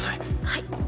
はい。